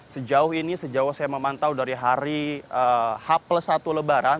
sejauh ini sejauh saya memantau dari hari h plus satu lebaran